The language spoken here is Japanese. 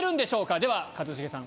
では一茂さん